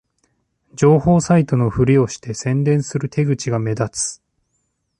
情報サイトのふりをして宣伝する手口が目立つ